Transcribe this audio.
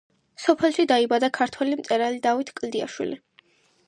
სოფელში დაიბადა ქართველი მწერალი დავით კლდიაშვილი.